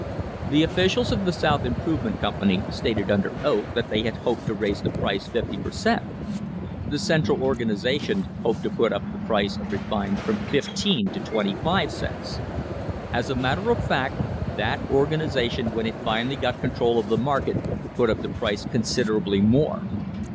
The officials of the South Improvement Company stated under oath that they hoped to raise the price fifty per cent. The Central Organisa tion hoped to put up the price of refined from fifteen to twenty five cents. As a matter of fact that organisation when it finally got control of the market put up the price consider ably more.